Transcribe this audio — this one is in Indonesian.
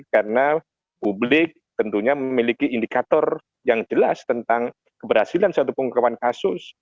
karena publik tentunya memiliki indikator yang jelas tentang keberhasilan suatu pengungkapan kasus